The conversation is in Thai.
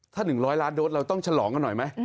ถ้า๑๐๐ล้านโดสเราต้องฉลองกันหน่อยไหม